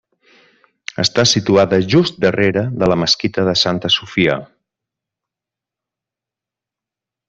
Està situada just darrere de la mesquita de Santa Sofia.